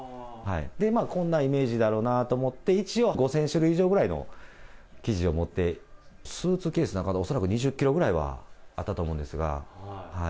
こんなイメージだろうなと思って、一応、５０００種類以上ぐらいの生地を持っていって、スーツケースの中で、恐らく２０キロくらいはあったと思うんですが。